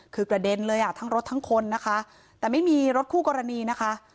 คือกระเด็นเลยอ่ะทั้งรถทั้งคนนะคะแต่ไม่มีรถคู่กรณีนะคะ